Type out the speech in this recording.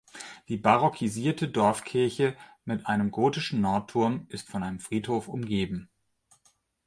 Die barockisierte Dorfkirche mit einem gotischen Nordturm ist von einem Friedhof umgeben.